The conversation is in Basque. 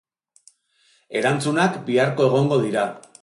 Erantzunak biharko egongo dira.